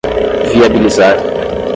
viabilizar